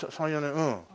うん。